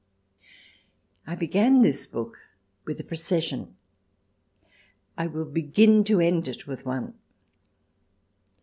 I began this book with a procession ; 1 will begin to end it with one.